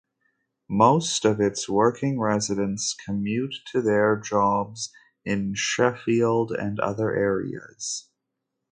Most of its working residents commute to their jobs in Sheffield and other areas.